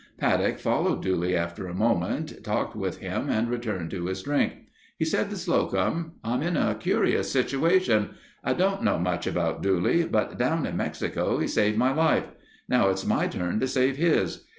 Paddock followed Dooley after a moment, talked with him and returned to his drink. He said to Slocum: "I'm in a curious situation. I don't know much about Dooley, but down in Mexico he saved my life. Now it's my turn to save his.